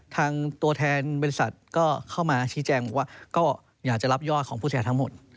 ตัวแทนบริษัทก็เข้ามาชี้แจงบอกว่าก็อยากจะรับยอดของผู้แทนทั้งหมด